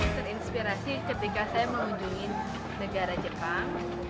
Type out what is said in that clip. terinspirasi ketika saya mengunjungi negara jepang